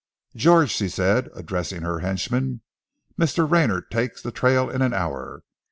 "George," she said, addressing her henchman, "Mr. Rayner takes the trail in an hour.